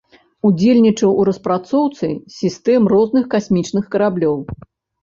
Удзельнічаў у распрацоўцы сістэм розных касмічных караблёў.